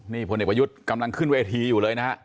นี่พลเอกประยุทธ์กำลังขึ้นเวทีอยู่เลยนะฮะ